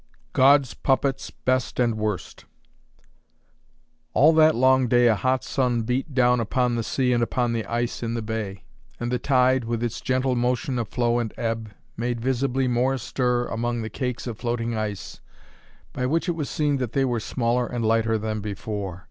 "GOD'S PUPPETS, BEST AND WORST." All that long day a hot sun beat down upon the sea and upon the ice in the bay; and the tide, with its gentle motion of flow and ebb, made visibly more stir among the cakes of floating ice, by which it was seen that they were smaller and lighter than before.